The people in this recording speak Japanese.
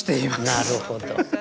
なるほど。